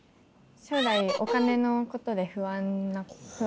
将来お金のことで不安です。